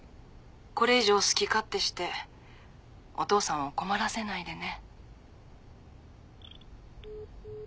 これ以上好き勝手してお父さんを困らせないでね。